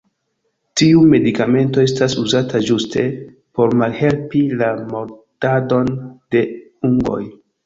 Tiu medikamento estas uzata ĝuste por malhelpi la mordadon de ungoj.